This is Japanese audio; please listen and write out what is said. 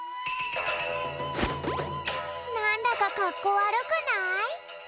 なんだかかっこわるくない？